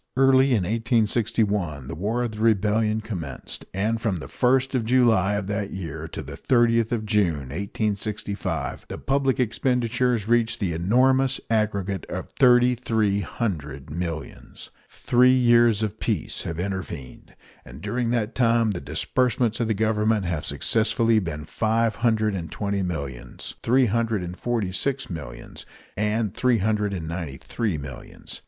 Early in 1861 the War of the Rebellion commenced; and from the 1st of July of that year to the 30th of June, 1865, the public expenditures reached the enormous aggregate of thirty three hundred millions. Three years of peace have intervened, and during that time the disbursements of the Government have successively been five hundred and twenty millions, three hundred and forty six millions, and three hundred and ninety three millions.